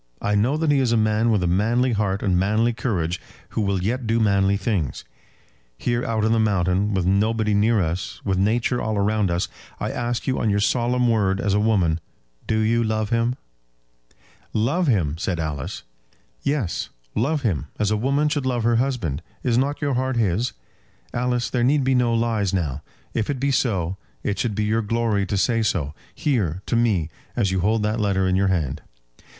I know that he is a man with a manly heart and manly courage, who will yet do manly things. Here out on the mountain, with nobody near us, with Nature all round us, I ask you on your solemn word as a woman, do you love him?" "Love him!" said Alice. "Yes; love him: as a woman should love her husband. Is not your heart his? Alice, there need be no lies now. If it be so, it should be your glory to say so, here, to me, as you hold that letter in your hand."